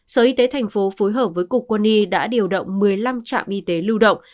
sở y tế thành phố phối hợp với cục quân y đã điều động một mươi năm trạm y tế lưu động